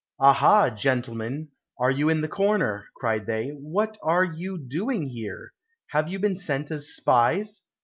"Aha, gentlemen, are you in the corner?" cried they, "What are you doing here? Have you been sent as spies?